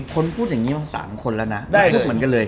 คนพูดอย่างนี้มา๓คนแล้วนะได้ลูกเหมือนกันเลย